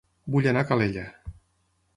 Vull anar a Calella